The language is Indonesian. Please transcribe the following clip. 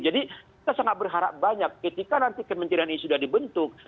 jadi kita sangat berharap banyak ketika nanti kementerian ini sudah dibentuk